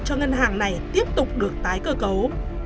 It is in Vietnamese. cho ngân hàng này tiếp tục được tái cơ cấu